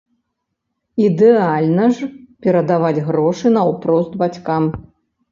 Ідэальна ж перадаваць грошы наўпрост бацькам.